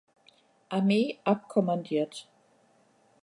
Armee abkommandiert.